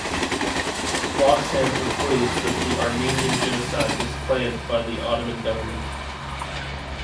Bloxham concludes that the Armenian genocide was planned by the Ottoman government.